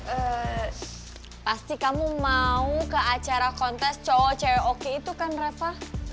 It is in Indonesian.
eh pasti kamu mau ke acara kontes cowok cerioki itu kan rafa